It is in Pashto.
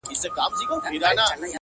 څومره له حباب سره ياري کوي؛